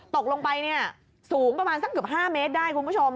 ตกลงไปเนี่ยสูงประมาณสักเกือบ๕เมตรได้คุณผู้ชม